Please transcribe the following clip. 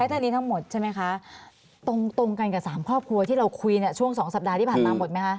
เท่านี้ทั้งหมดใช่ไหมคะตรงกันกับ๓ครอบครัวที่เราคุยช่วง๒สัปดาห์ที่ผ่านมาหมดไหมคะ